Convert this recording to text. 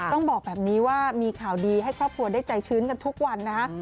ต้องบอกแบบนี้ว่ามีข่าวดีให้ครอบครัวได้ใจชื้นกันทุกวันนะฮะ